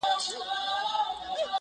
o خر په اته، کوټى ئې په شپېته.